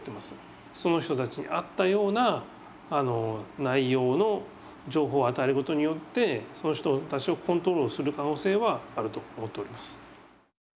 その人たちに合ったような内容の情報を与えることによってその人たちをコントロールする可能性はあると思っております。